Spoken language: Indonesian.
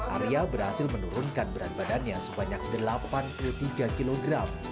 arya berhasil menurunkan berat badannya sebanyak delapan puluh tiga kg